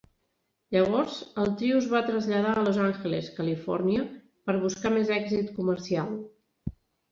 Llavors, el trio es va traslladar a Los Angeles, Califòrnia, per buscar més èxit comercial.